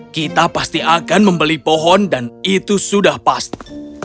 kita pasti akan membeli pohon dan itu sudah pasti